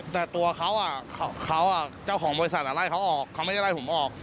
แต่ตัวเขาเขาเจ้าของบริษัทไล่เขาออกเขาไม่ได้ไล่ผมออก